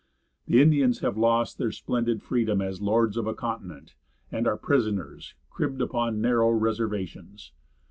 The Indians have lost their splendid freedom as lords of a continent, and are prisoners, cribbed upon narrow reservations.